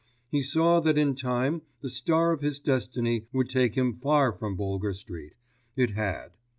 He saw that in time the star of his destiny would take him far from Boulger Street—it had.